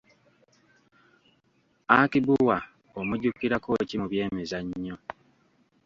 Aki Bua omujjukirako ki mu byemizannyo?